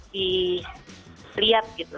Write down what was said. di lihat gitu